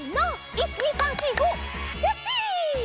１２３４５キャッチ！